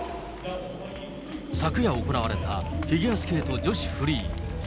昨夜行われた、フィギュアスケート女子フリー。